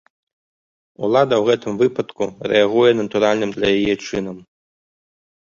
Улада ў гэтым выпадку рэагуе натуральным для яе чынам.